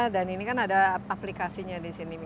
dan ini kan ada aplikasinya di sini